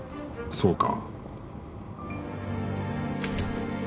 そうか。